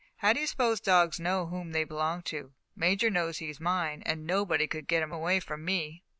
How do you suppose dogs know whom they belong to? Major knows he's mine, and nobody could get him away from me."